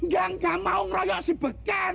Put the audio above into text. gak mau keroyok si beken